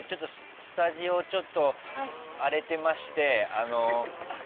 スタジオちょっと荒れてまして。